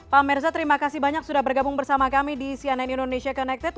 pak merza terima kasih banyak sudah bergabung bersama kami di cnn indonesia connected